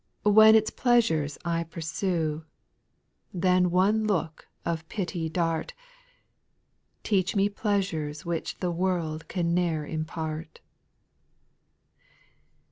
When its pleasures I pursue, Then one look of pity dart, — Teach me pleasures Which the world can ne'er impart.